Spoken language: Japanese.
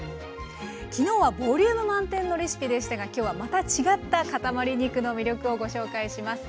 昨日はボリューム満点のレシピでしたが今日はまた違ったかたまり肉の魅力をご紹介します。